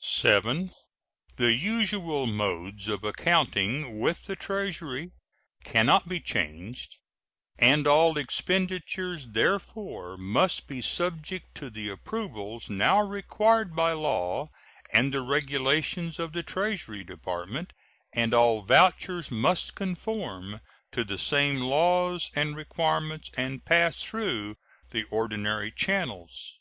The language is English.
7. The usual modes of accounting with the Treasury can not be changed, and all expenditures, therefore, must be subject to the approvals now required by law and the regulations of the Treasury Department, and all vouchers must conform to the same laws and requirements and pass through the ordinary channels.